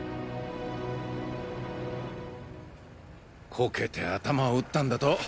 コケて頭を打ったんだと。